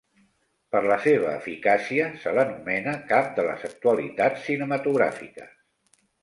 Per la seva eficàcia, se l’anomena cap de les actualitats cinematogràfiques.